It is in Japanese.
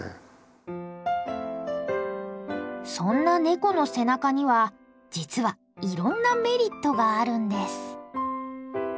そんなネコの背中には実はいろんなメリットがあるんです。